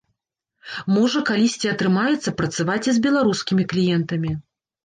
Можа калісьці атрымаецца працаваць і з беларускімі кліентамі.